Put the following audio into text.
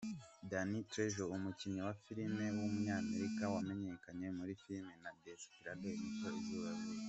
Danny Trejo, umukinnyi wa filime w’umunyamerika wamenyekanye muri filime nka Desperado yabonye izuba.